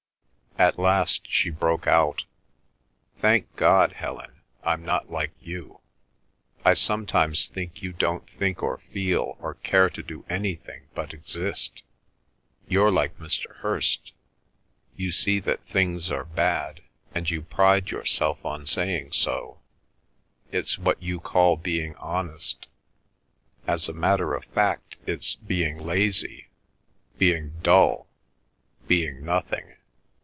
At last she broke out— "Thank God, Helen, I'm not like you! I sometimes think you don't think or feel or care to do anything but exist! You're like Mr. Hirst. You see that things are bad, and you pride yourself on saying so. It's what you call being honest; as a matter of fact it's being lazy, being dull, being nothing.